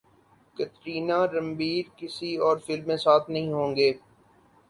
کترینہ رنبیر کسی اور فلم میں ساتھ نہیں ہوں گے